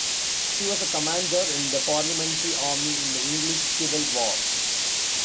He was a commander in the Parliamentary army in the English Civil War.